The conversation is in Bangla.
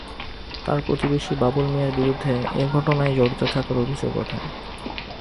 তাঁর প্রতিবেশী বাবুল মিয়ার বিরুদ্ধে এ ঘটনায় জড়িত থাকার অভিযোগ ওঠে।